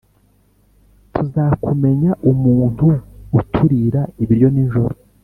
Turazakumenya umuntu uturira ibiryo nijoro